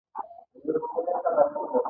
د دوست څخه ګيله کول نه دي په کار.